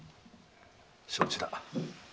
承知だ。